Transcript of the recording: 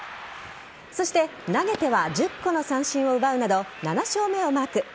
そして、投げては１０個の三振を奪うなど７勝目をマーク。